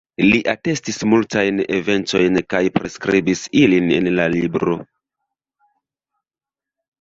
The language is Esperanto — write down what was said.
Li atestis multajn eventojn kaj priskribis ilin en la libro.